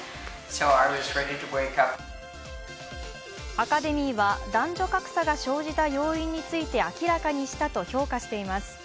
アカデミーは男女格差が生じた要因について明らかにしたと評価しています。